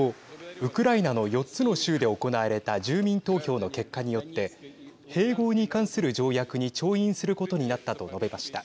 ウクライナの４つの州で行われた住民投票の結果によって併合に関する条約に調印することになったと述べました。